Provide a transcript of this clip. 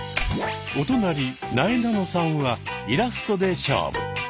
お隣なえなのさんはイラストで勝負。